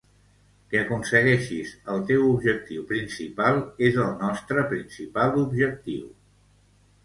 Que aconsegueixis el teu objectiu principal és el nostre principal objectiu.